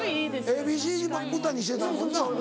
ＡＢＣも歌にしてたもんな。